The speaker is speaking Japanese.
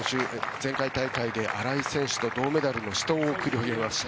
前回大会で荒井選手と銅メダルの死闘を繰り広げました。